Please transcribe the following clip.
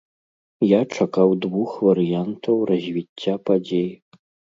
Я чакаў двух варыянтаў развіцця падзей.